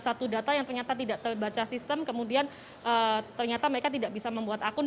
satu data yang ternyata tidak terbaca sistem kemudian ternyata mereka tidak bisa membuat akun